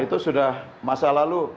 itu sudah masa lalu